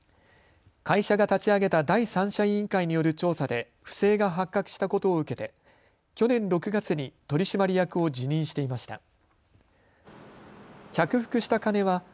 会社が立ち上げた第三者委員会による調査で不正が発覚したことを受けて去年６月に取締役を辞任していました。